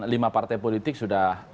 lima partai politik sudah